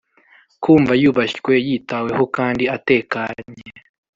kumva yubashywe, yitaweho kandi atekanye